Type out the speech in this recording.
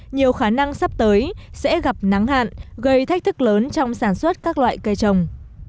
nhiều khả năng sắp tới sẽ gặp nắng hạn gây thách thức lớn trong sản xuất các loại cây trồng